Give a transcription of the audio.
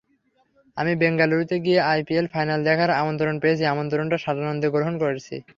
আমি বেঙ্গালুরুতে গিয়ে আইপিএল ফাইনাল দেখার আমন্ত্রণ পেয়েছি, আমন্ত্রণটা সানন্দে গ্রহণ করেছি।